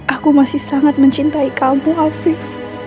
aku masih sangat mencintai kamu afif